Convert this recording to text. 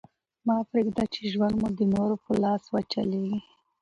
مه پرېږده، چي ژوند مو د نورو په لاس وچلېږي.